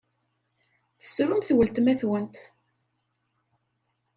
Tessrumt weltma-twent!